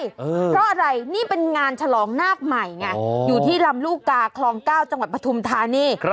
เพราะอะไรนี่เป็นงานฉลองนาคใหม่ไงอยู่ที่ลำลูกกาคลอง๙จังหวัดปฐุมธานี